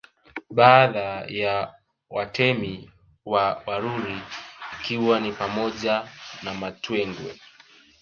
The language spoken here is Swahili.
Baadhi ya Watemi wa Waruri ikiwa ni pamoja na Mtwenge